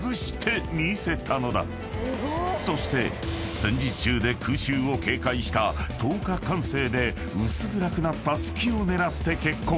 ［そして戦時中で空襲を警戒した灯火管制で薄暗くなった隙を狙って決行］